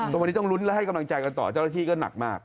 ตรงนี้ต้องลุ้นและให้กำลังใจกันต่อเจ้าหน้าที่ก็หนักมาก